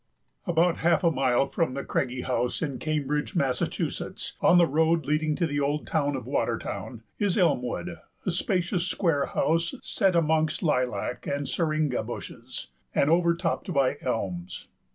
About half a mile from the Craigie House in Cambridge, Massachusetts, on the road leading to the old town of Watertown, is Elmwood, a spacious square house set amongst lilac and syringa bushes, and overtopped by elms.